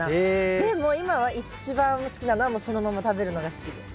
でも今は一番好きなのはもうそのまま食べるのが好きです。